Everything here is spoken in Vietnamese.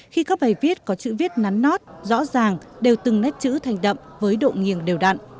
khi các bài viết có chữ viết nắn nót rõ ràng đều từng nét chữ thành đậm với độ nghiêng đều đặn